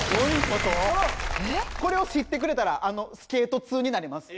これを知ってくれたらスケート通になれます。